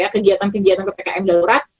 kegiatan kegiatan ppkm darurat